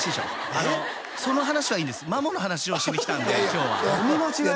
あのその話はいいんですマモの話をしに来たんで今日は読み間違え？